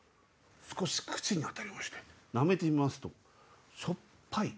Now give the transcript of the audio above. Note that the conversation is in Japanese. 少し口に当たりましてなめてみますとしょっぱい。